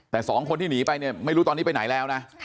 แต่สองคนที่หนีไปเนี่ยไม่รู้ตอนนี้ไปไหนแล้วนะ